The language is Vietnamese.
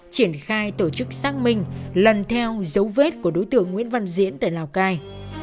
triển khai tổ chức xác minh lần theo dấu vết của đối tượng nguyễn văn diễn tại lào cai